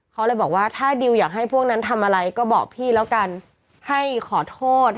เขาเลยบอกว่าถ้าดิวอยากให้พวกนั้นทำอะไรก็บอกพี่แล้วกันให้ขอโทษ